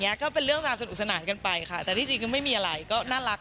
ก็เป็นเรื่องราวสนุกสนานกันไปค่ะแต่ที่จริงก็ไม่มีอะไรก็น่ารัก